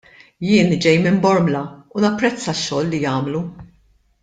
Jien ġej minn Bormla u napprezza x-xogħol li jagħmlu.